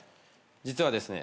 実はですね